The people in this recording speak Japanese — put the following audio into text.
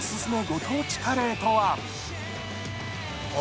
ご当地カレーとは？